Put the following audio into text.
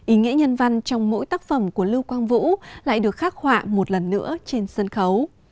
ý nghĩa nhân văn trong mỗi tác phẩm của lưu quang vũ lại được khắc họa một lần nữa trên sân khấu